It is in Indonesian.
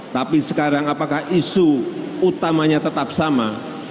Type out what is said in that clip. tapi sekarang apakah isu utamanya tetap sama